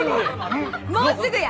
もうすぐや！